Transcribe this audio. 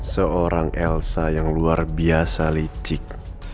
seorang elsa yang luar biasa licik